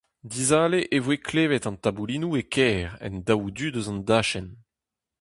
Dizale e voe klevet an taboulinoù e kêr en daou du eus an dachenn.